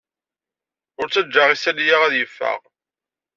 Ur ttajjat isali-a ad yeffeɣ.